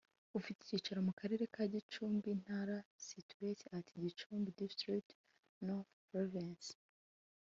ufite icyicaro mu Karere ka Gicumbi Intara situate at Gicumbi District Northern Province